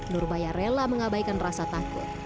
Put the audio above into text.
nurbaya rela mengabaikan rasa takut